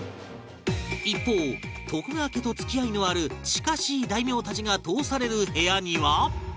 一方徳川家と付き合いのある近しい大名たちが通される部屋には